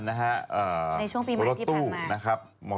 ในช่วงปีใหม่ที่ผ่านมา